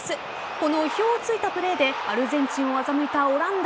この意表を突いたプレーでアルゼンチンをあざむいたオランダ。